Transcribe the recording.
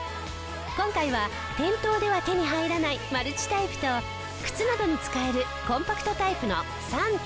今回は店頭では手に入らないマルチタイプと靴などに使えるコンパクトタイプの３点。